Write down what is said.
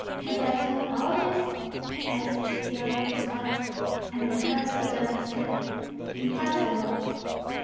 "Have I done all this?" asked he of himself; and the hair stood on his head. "Impossible!